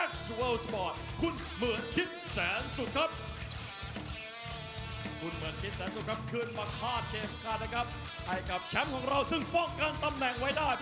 ดีมากขวังครับ